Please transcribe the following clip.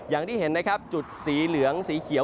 อย่างที่เห็นนะครับจุดสีเหลืองสีเขียว